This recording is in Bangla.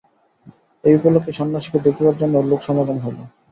এই উপলক্ষে সন্ন্যাসীকে দেখিবার জন্যও লোকসমাগম হইল।